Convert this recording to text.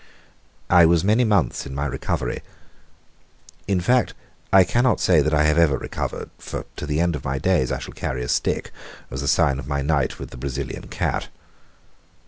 I was many months in my recovery in fact, I cannot say that I have ever recovered, for to the end of my days I shall carry a stick as a sign of my night with the Brazilian cat.